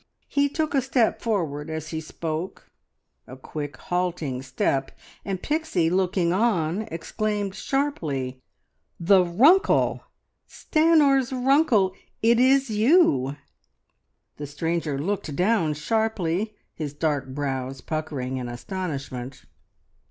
He took a step forward as he spoke, a quick, halting step, and Pixie looking on, exclaimed sharply "The Runkle! Stanor's Runkle! It is You!" The stranger looked down sharply, his dark brows puckering in astonishment.